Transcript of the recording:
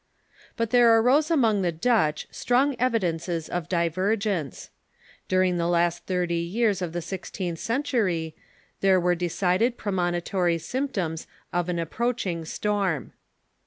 But there arose Holland among the Dutch strong evidences of divergence, a Scene of During the last thirty jx'ars of the sixteenth cen on roversy ^m y tjjgre were decided premonitory symptoms of an ap})roaehing storm.